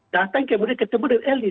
datang kemudian ketemu dengan elit